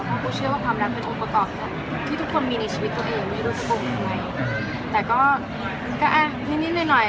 เหมือนว่าเราไม่ได้โฟกัสความรักเป็นอะไร